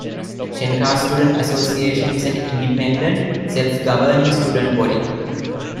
Shenkar's Student Association is an independent, self-governing student body.